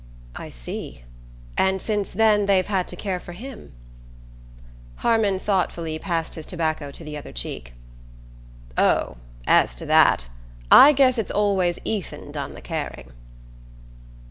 "I see. And since then they've had to care for him?" Harmon thoughtfully passed his tobacco to the other cheek. "Oh, as to that: I guess it's always Ethan done the caring."